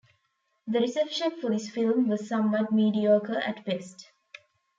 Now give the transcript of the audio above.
The reception for this film was somewhat mediocre at best.